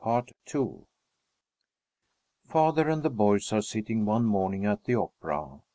Father and the boys are sitting one morning at the Opera.